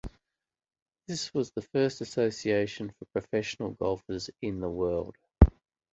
This was the first association for professional golfers in the world.